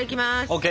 ＯＫ！